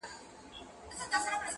چي نور ساده راته هر څه ووايه;